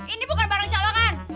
ini bukan barang colongan